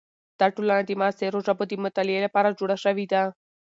دا ټولنه د معاصرو ژبو د مطالعې لپاره جوړه شوې ده.